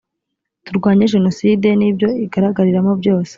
turwanye jenoside n’ibyo igaragariramo byose